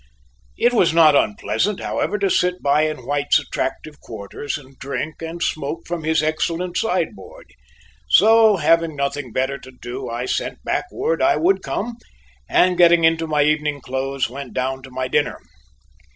It was not unpleasant, however, to sit by in White's attractive quarters and drink and smoke from his excellent sideboard. So having nothing better to do, I sent back word I would come, and getting into my evening clothes, went down to my dinner.